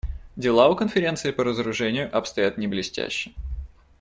Дела у Конференции по разоружению обстоят не блестяще.